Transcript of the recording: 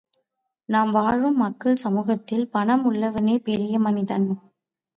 நாம் வாழும் மக்கள் சமூகத்தில் பணம் உள்ளவனே பெரிய மனிதன்.